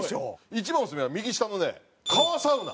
一番のオススメは右下のね川サウナ。